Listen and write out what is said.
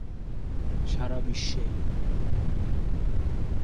সারা বিশ্বেই।